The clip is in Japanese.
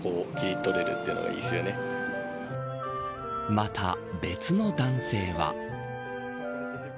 また別の男性は。